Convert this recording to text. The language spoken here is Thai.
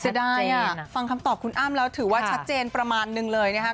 เสียดายอ่ะฟังคำตอบคุณอ้ามแล้วถือว่าชัดเจนประมาณนึงเลยนะฮะ